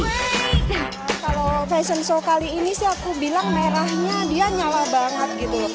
kalau fashion show kali ini sih aku bilang merahnya dia nyala banget gitu